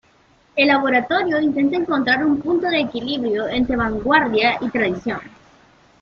El "laboratorio" intenta encontrar un punto de equilibrio entre vanguardia y tradición.